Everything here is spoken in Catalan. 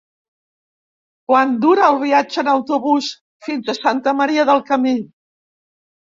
Quant dura el viatge en autobús fins a Santa Maria del Camí?